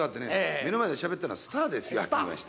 目の前でしゃべってんのはスターですよはっきり言いまして。